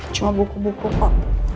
cuma buku buku pak